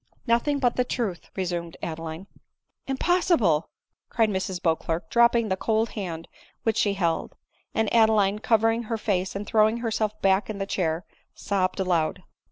" Nothing but the truth !" resumed Adeline. " Impossible !" cried Mrs Beauclerc, dropping the cold band which she held ; and Adeline, covering her face, and throwing herself back in the chair, sobbed aloud.